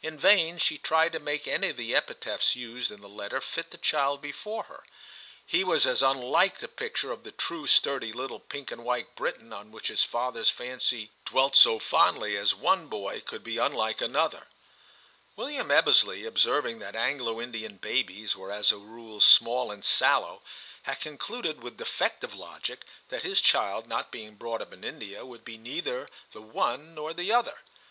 In vain she tried to make any of the epithets used in the letter fit the child before her : he was as unlike the picture of the true, sturdy little pink and white Briton, I TIM II on which his father s fancy dweh so fondly, as one boy could be unlike another, William Ebbesley, observing that Anglo Indian babies were as a rule small and sallow, had concluded, with defective logic, that his child, not being brought up in India, would be neither the one nor the other.